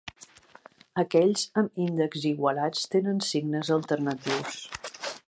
Aquells amb índex igualats tenen signes alternatius.